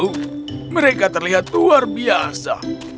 oh mereka terlihat luar biasa